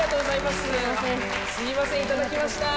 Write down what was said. すみませんいただきました。